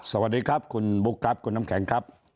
สวัสดีครับคุณบุ๊คครับคุณน้ำแข็งครับ